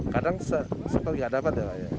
kadang sepuluh nggak dapat ya